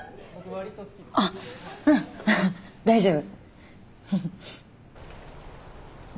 あっうん大丈夫。